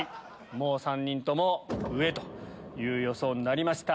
もう３人とも上という予想になりました。